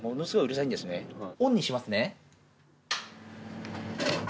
オンにしますね。